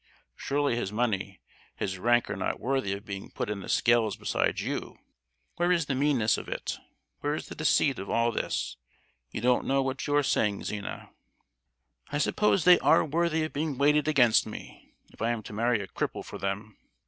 Surely his money, his rank are not worthy of being put in the scales beside you? Where is the meanness of it; where is the deceit of all this? You don't know what you are saying, Zina." "I suppose they are worthy of being weighed against me, if I am to marry a cripple for them!